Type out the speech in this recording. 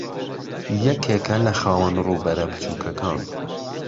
یەکێکە لە خاوەن ڕووبەرە بچووکەکان